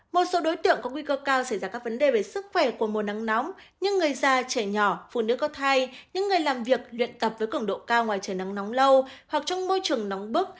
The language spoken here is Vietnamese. một số đối tượng có nguy cơ cao xảy ra các vấn đề về sức khỏe của mùa nắng nóng như người già trẻ nhỏ phụ nữ có thai những người làm việc luyện tập với cứng độ cao ngoài trời nắng nóng lâu hoặc trong môi trường nóng bức